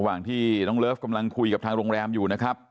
ระหว่างที่น้องเลิฟกำลังคุยกับทางโรงแรมอยู่นะครับ